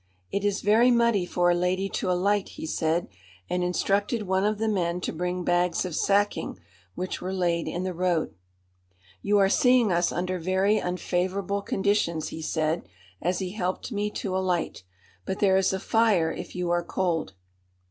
"It is very muddy for a lady to alight," he said, and instructed one of the men to bring bags of sacking, which were laid in the road. "You are seeing us under very unfavourable conditions," he said as he helped me to alight. "But there is a fire if you are cold."